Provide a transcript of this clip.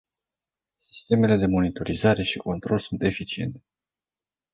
Sistemele de monitorizare și control sunt eficiente.